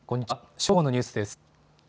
正午のニュースです。